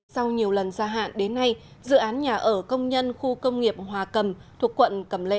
sau nhiều lần gia hạn đến nay dự án nhà ở công nhân khu công nghiệp hòa cầm thuộc quận cầm lệ